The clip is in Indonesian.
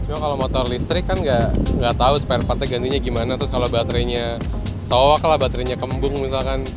cuma kalo motor listrik kan gak tau spare partnya gantinya gimana terus kalo baterainya sawak lah baterainya kembung misalkan